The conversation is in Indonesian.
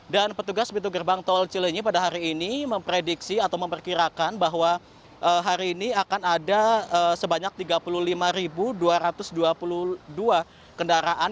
dan petugas pintu gerbang tol cilenyi pada hari ini memprediksi atau memperkirakan bahwa hari ini akan ada sebanyak tiga puluh lima dua ratus dua puluh dua kendaraan